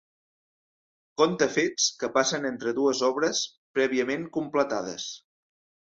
Conta fets que passen entre dues obres prèviament completades.